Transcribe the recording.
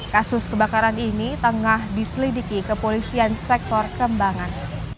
kasus kebakaran ini tengah diselidiki kepolisian sektor kembangan